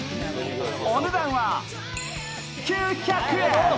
お値段は９００円。